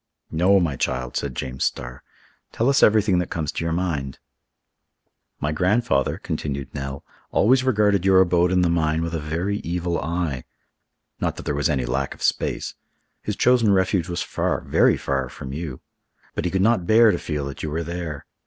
"No, my child," said James Starr, "tell us everything that comes to your mind." "My grandfather," continued Nell, "always regarded your abode in the mine with a very evil eye—not that there was any lack of space. His chosen refuge was far—very far from you. But he could not bear to feel that you were there.